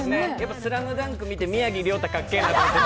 「ＳＬＡＭＤＵＮＫ」見て、宮城リョータ、かっけぇなって。